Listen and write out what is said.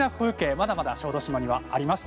まだまだ小豆島にあります。